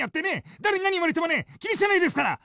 誰に何言われてもね気にしてないですから！ね！